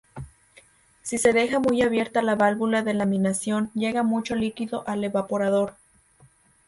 Si se deja muy abierta la válvula de laminación, llega mucho líquido al evaporador.